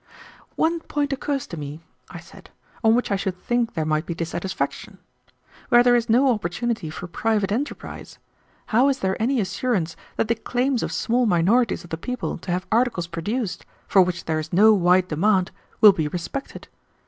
"One point occurs to me," I said, "on which I should think there might be dissatisfaction. Where there is no opportunity for private enterprise, how is there any assurance that the claims of small minorities of the people to have articles produced, for which there is no wide demand, will be respected?